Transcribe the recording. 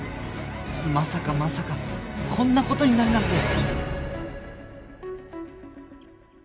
まさかまさかこんな事になるなんて